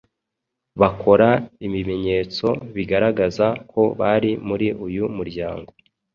bakora ibimenyetso bigaragaza ko bari muri uyu muryango